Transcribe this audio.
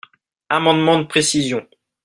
Amendement de précision.